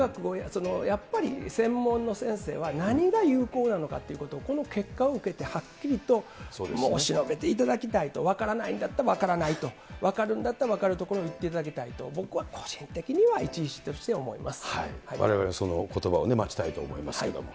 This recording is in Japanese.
やっぱり専門の先生は、何が有効なのかということを、この結果を受けて、はっきりと申し述べていただきたいと、分からないんだったら、分からないと、分かるんだったら分かるところを言っていただきたいと僕は個人的われわれはそのことばを待ちたいと思いますけれども。